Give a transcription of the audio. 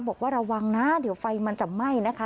บอกว่าระวังนะเดี๋ยวไฟมันจะไหม้นะคะ